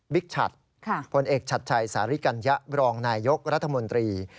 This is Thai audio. บิ๊กชัดพลเอกชัดชัยสาริกัญญะรองนายกรรธมนตรี